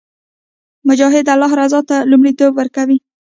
مجاهد د الله رضا ته لومړیتوب ورکوي.